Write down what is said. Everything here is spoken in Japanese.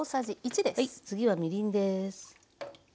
次はみりんです。